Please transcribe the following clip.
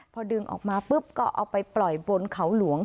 พอดึงออกมาปุ๊บก็เอาไปปล่อยบนเขาหลวง